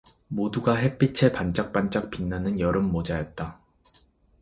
모두가 햇빛에 반짝반짝 빛나는 여름 모자였다.